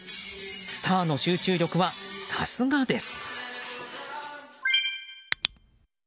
スターの集中力はさすがです。